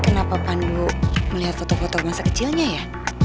kenapa pandu melihat foto foto masa kecilnya ya